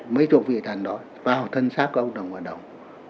mấy chỗ vị thần đó vào thân xác của hầu đồng và đồng